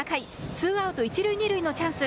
ツーアウト一塁二塁のチャンス。